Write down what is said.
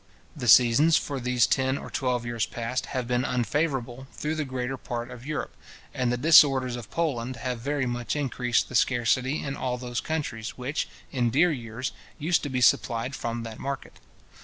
The seasons, for these ten or twelve years past, have been unfavourable through the greater part of Europe; and the disorders of Poland have very much increased the scarcity in all those countries, which, in dear years, used to be supplied from that market.